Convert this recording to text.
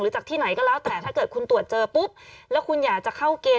จากที่ไหนก็แล้วแต่ถ้าเกิดคุณตรวจเจอปุ๊บแล้วคุณอยากจะเข้าเกณฑ์